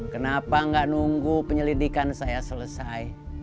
kenapa nggak nunggu penyelidikan saya selesai